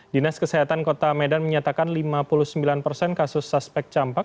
dinas kesehatan kota medan menyatakan lima puluh sembilan persen kasus suspek campak